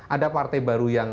ada partai baru yang